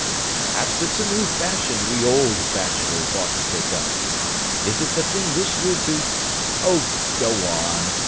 Perhaps it's a new fashion we old bachelors ought to take up. Is it the thing this year to—" "Oh, go on!"